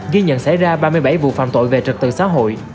ghi nhận xảy ra ba mươi bảy vụ phạm tội về trật tự xã hội